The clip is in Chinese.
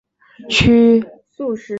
区人民政府驻八里店镇。